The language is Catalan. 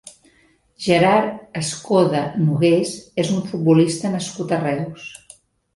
Gerard Escoda Nogués és un futbolista nascut a Reus.